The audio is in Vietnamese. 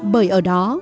bởi ở đó